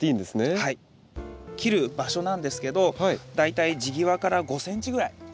切る場所なんですけど大体地際から５ｃｍぐらい。